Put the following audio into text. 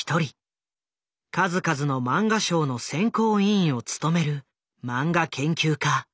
数々のマンガ賞の選考委員を務めるマンガ研究家